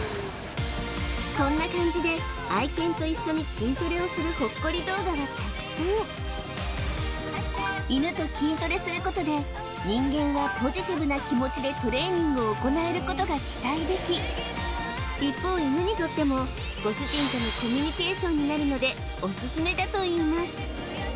こんな感じで愛犬と一緒に筋トレをするほっこり動画はたくさん犬と筋トレすることで人間はポジティブな気持ちでトレーニングを行えることが期待でき一方犬にとってもご主人とのコミュニケーションになるのでオススメだといいます